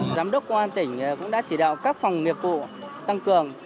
giám đốc công an tỉnh cũng đã chỉ đạo các phòng nghiệp vụ tăng cường